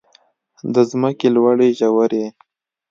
د ځمکې لوړې ژورې.